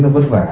nó vất vả